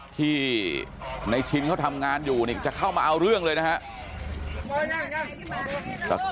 ที่ในชินเขาทำงานอยู่จะเข้ามาเอาเรื่องเลยนะครับ